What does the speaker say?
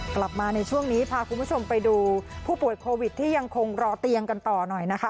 กลับมาในช่วงนี้พาคุณผู้ชมไปดูผู้ป่วยโควิดที่ยังคงรอเตียงกันต่อหน่อยนะคะ